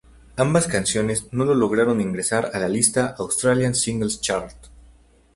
Ambas canciones no lograron ingresar a la lista "Australian Singles Chart".